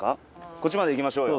こっちまで行きましょうよ。